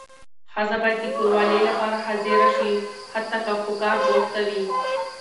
ښځه باید د کوروالې لپاره حاضره شي حتی که په کار بوخته وي.